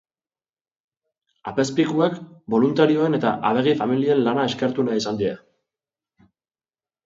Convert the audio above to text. Apezpikuak boluntarioen eta abegi-familien lana eskertu nahi izan die.